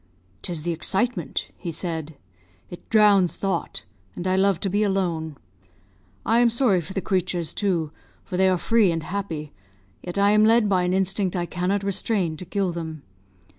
"'Tis the excitement," he said; "it drowns thought, and I love to be alone. I am sorry for the creatures, too, for they are free and happy; yet I am led by an instinct I cannot restrain to kill them.